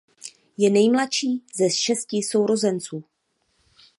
Je nejmladší ze šesti sourozenců.